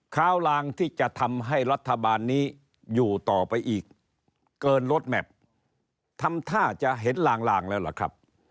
ค้าลางที่จะทำให้รัฐบาลนี้อยู่ต่อไปอีกเกินลดแมพทำท่าจะเห็นลางลางแล้วล่ะครับ